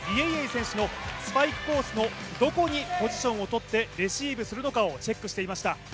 選手のスパイクコースがどこにポジションを取ってレシーブするのかをチェックしていました。